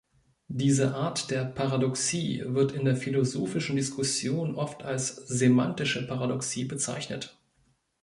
Diese Art der Paradoxie wird in der philosophischen Diskussion oft als "Semantische Paradoxie" bezeichnet.